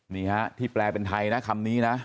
นี่ฮะที่แปลเป็นไทยนะคำนี้นะ